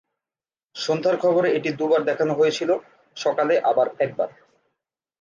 সন্ধ্যার খবরে এটি দু'বার দেখানো হয়েছিল, সকালে আবার একবার।